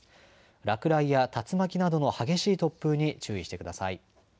落雷や竜巻などの激しい突風に注意してください。